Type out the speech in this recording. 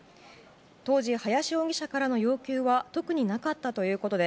当時、林容疑者からの要求は特になかったということで